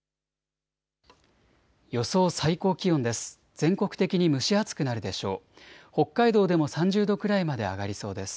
予想最高気温です。